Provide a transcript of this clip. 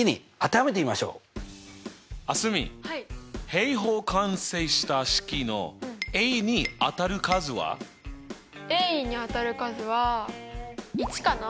平方完成した式のにあたる数は？にあたる数は１かな？